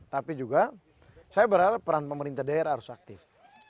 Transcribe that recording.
tapi juga saya berharap peran pemerintah daerah harus aktif